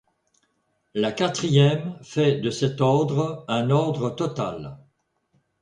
La quatrième fait de cet ordre un ordre total.